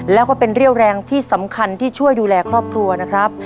แล้วก็เป็นเรี่ยวแรงที่สำคัญที่ช่วยดูแลครอบครัวนะครับ